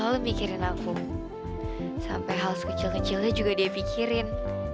lalu mikirin aku sampai hal sekecil kecilnya juga dia pikirin